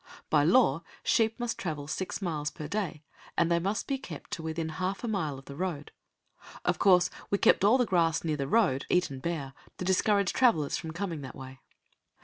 By law, sheep must travel six miles per day, and they must be kept to within half a mile of the road. Of course we kept all the grass near the road eaten bare, to discourage travellers from coming that way.